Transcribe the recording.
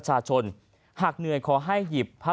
พลเอกเปรยุจจันทร์โอชานายกรัฐมนตรีพลเอกเปรยุจจันทร์โอชานายกรัฐมนตรี